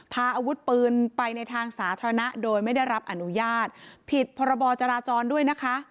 พาอาวุธปืนไปในทางสาธารณะโดยไม่ได้รับอนุญาตผิดพรบจราจรด้วยนะคะ